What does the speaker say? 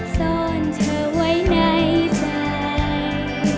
ซ่อนเธอไว้ในใจ